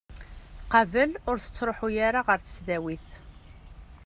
Qabel, ur tettruḥu ara ɣer tesdawit.